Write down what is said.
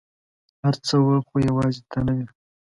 هر څه وه ، خو یوازي ته نه وې !